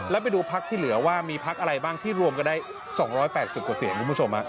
แล้วไปดูพักที่เหลือว่ามีพักอะไรบ้างที่รวมกันได้๒๘๐กว่าเสียงคุณผู้ชม